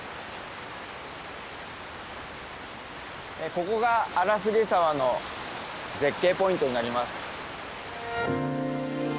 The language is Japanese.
ここが荒菅沢の絶景ポイントになります。